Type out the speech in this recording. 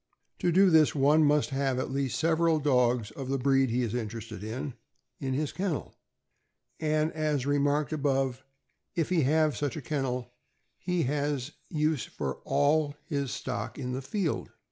To do this, one must have at least several dogs of the breed he is interested in, in his kennel, and as remarked above, if he have such a kennel he has use for all his stock in the field.